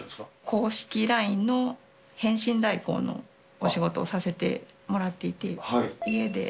公式ＬＩＮＥの返信代行のお仕事をさせてもらっていて。